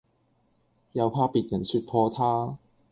又怕別人説破他，